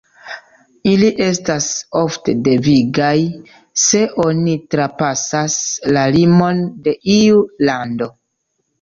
Ili estas ofte devigaj, se oni trapasas la limon de iu lando.